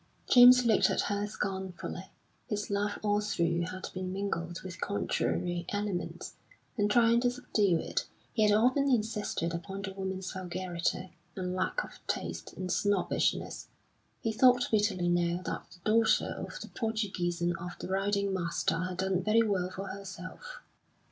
James looked at her scornfully; his love all through had been mingled with contrary elements; and trying to subdue it, he had often insisted upon the woman's vulgarity, and lack of taste, and snobbishness. He thought bitterly now that the daughter of the Portuguese and of the riding master had done very well for herself.